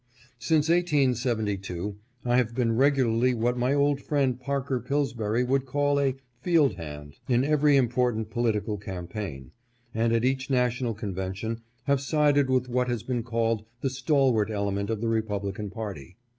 Since 1872 I have been regularly what my old friend Parker Pillsbury would call a " field hand " in every im portant political campaign, and at each national conven tion have sided with what has been called the stalwart element of the Republican party.